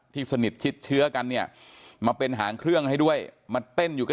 สนิทชิดเชื้อกันเนี่ยมาเป็นหางเครื่องให้ด้วยมาเต้นอยู่กับ